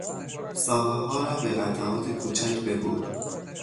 ساقهها را به قطعات کوچک ببر!